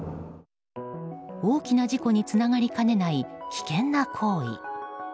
大きな事故につながりかねない危険な行為。